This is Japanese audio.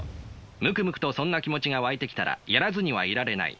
ムクムクとそんな気持ちが湧いてきたらやらずにはいられない。